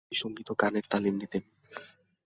তিনি সঙ্গীত ও গানের তালিম নিতেন।